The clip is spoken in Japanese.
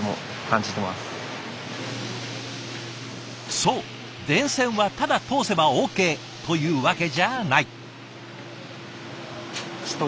そう電線はただ通せばＯＫというわけじゃない。